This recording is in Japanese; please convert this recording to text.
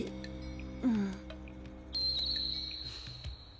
うん。